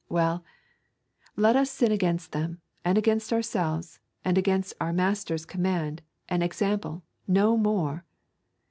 Well, let us sin against them, and against ourselves, and against our Master's command and example no more.